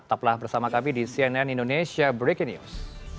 tetaplah bersama kami di cnn indonesia breaking news